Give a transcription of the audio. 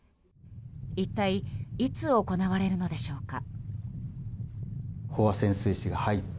一体いつ行われるのでしょうか。